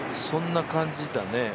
そんな感じだね。